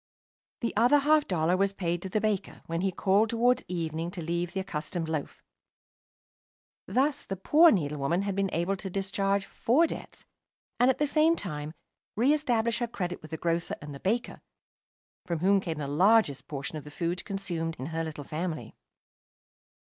The other half dollar was paid to the baker when he called towards evening to leave the accustomed loaf. Thus the poor needlewoman had been able to discharge four debts, and, at the same time re establish her credit with the grocer and baker, from whom came the largest portion of the food consumed in her little family.